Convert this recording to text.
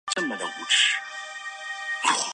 而鼻毛能够保护你不受外来污染物伤害。